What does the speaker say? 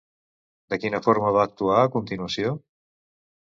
De quina forma va actuar a continuació?